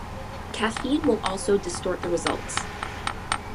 Caffeine will also distort the results.